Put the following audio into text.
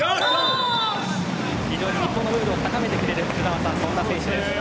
非常に日本のムードを高めてくれる選手です。